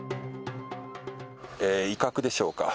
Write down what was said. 威嚇でしょうか。